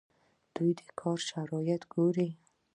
دوی د کار شرایط ګوري.